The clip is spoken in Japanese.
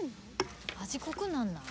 味濃くなんない？